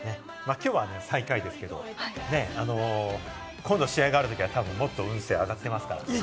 きょうは最下位ですけれど、今度、試合があるときはもっと運勢上がってますから。